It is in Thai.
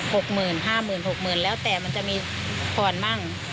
หกหมื่นห้าหมื่นหกหมื่นแล้วแต่มันจะมีผ่อนมั่ง